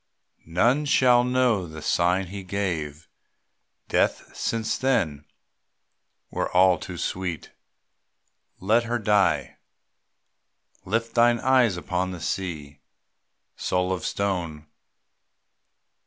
None shall know the sign he gave. Death since then, were all too sweet. Let her die. Lift thine eyes upon the sea, Soul of stone.